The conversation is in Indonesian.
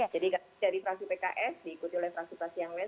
jadi dari saksi pks diikuti oleh saksi pasien lain